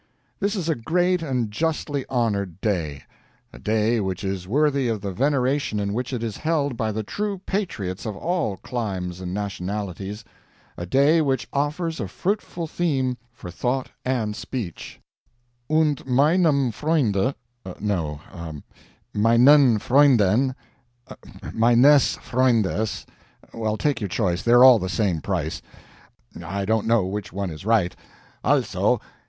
This is a great and justly honored day a day which is worthy of the veneration in which it is held by the true patriots of all climes and nationalities a day which offers a fruitful theme for thought and speech; und meinem Freunde no, meinEN FreundEN meinES FreundES well, take your choice, they're all the same price; I don't know which one is right also!